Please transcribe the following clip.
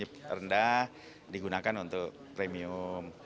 terendah digunakan untuk premium